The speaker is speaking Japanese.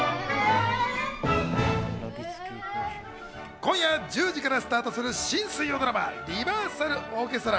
今夜１０時からスタートする新水曜ドラマ『リバーサルオーケストラ』。